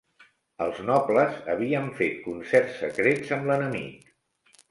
Els nobles havien fet concerts secrets amb l'enemic.